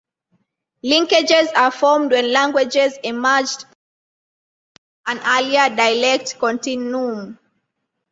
Linkages are formed when languages emerged historically from an earlier dialect continuum.